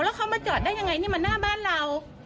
แล้วเขามาจอดได้ยังไงนี่มันหน้าบ้านเรา